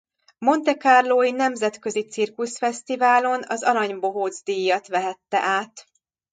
Monte-carlói Nemzetközi Cirkuszfesztiválon az Arany Bohóc-díjat vehette át.